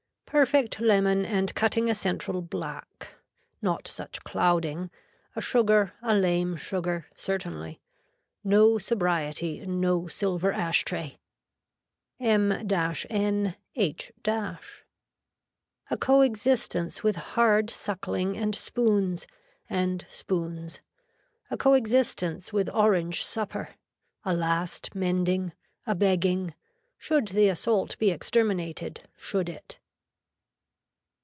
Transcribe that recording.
Perfect lemon and cutting a central black. Not such clouding. A sugar, a lame sugar, certainly. No sobriety no silver ash tray. M N H . A co existence with hard suckling and spoons, and spoons. A co existence with orange supper. A last mending. A begging. Should the assault be exterminated, should it.